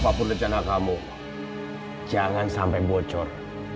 apapun rencana kamu jangan sampai bocor